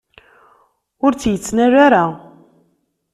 Ur tt-yettnal ara.